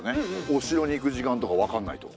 お城に行く時間とか分かんないと。